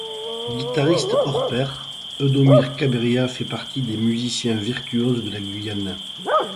Guitariste hors pair, Eudomir Cabéria fait partie des musiciens virtuoses de la Guyane.